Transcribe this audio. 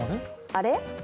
あれ？